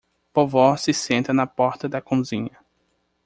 Vovó se senta na porta da cozinha